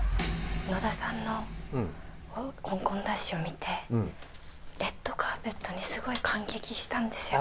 野田さんのコンコンダッシュを見てレッドカーペットにすごい感激したんですよ。